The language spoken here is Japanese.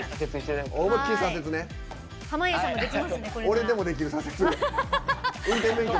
俺でもできる、左折。